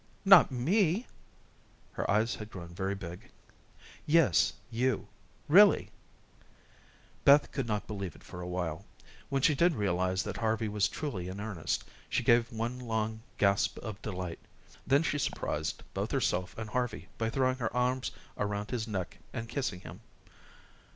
"Not me?" Her eyes had grown very big. "Yes, you really." Beth could not believe it for a while. When she did realize that Harvey was truly in earnest, she gave one long gasp of delight. Then she surprised both herself and Harvey by throwing her arms around his neck and kissing him.